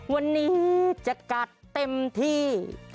วันนี้จะกัดเต็มที่